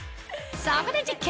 そこで実験！